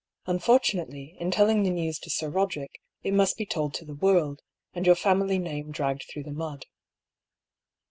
" Unfortunately, in telling the news to Sir Boderick, it must be told to the world, and your family name dragged through the mud."